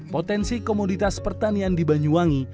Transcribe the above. potensi komoditas pertanian di banyuwangi